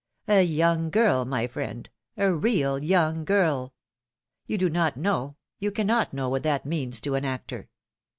A young girl, my friend, a real young girl ! You do not know, you cannot know what that means to an actor!